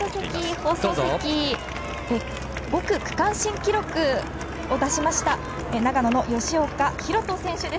放送席５区区間新記録を出しました長野の吉岡大翔選手です。